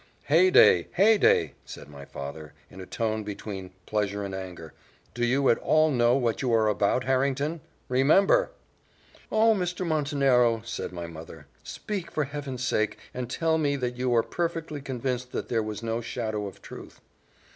"Heyday! heyday!" said my father, in a tone between pleasure and anger, "do you at all know what you are about, Harrington? remember!" "Oh! Mr. Montenero," said my mother, "speak, for Heaven's sake, and tell me that you are perfectly convinced that there was no shadow of truth."